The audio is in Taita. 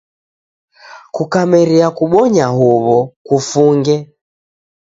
Kukameria kubonya huw'o, kufunge.